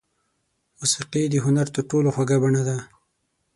موسیقي د هنر تر ټولو خوږه بڼه ده.